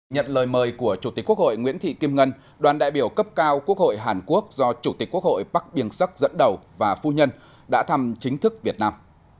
nhận lời mời của chủ tịch quốc hội nguyễn thị kim ngân đoàn đại biểu cấp cao quốc hội hàn quốc do chủ tịch quốc hội bắc biên sắc dẫn đầu và phu nhân đã thăm chính thức việt nam